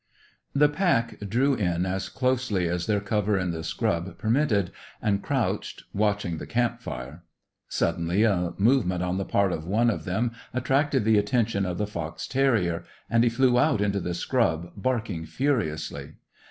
The pack drew in as closely as their cover in the scrub permitted, and crouched, watching the camp fire. Suddenly, a movement on the part of one of them attracted the attention of the fox terrier, and he flew out into the scrub, barking furiously.